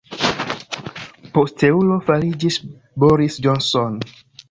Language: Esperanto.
Posteulo fariĝis Boris Johnson.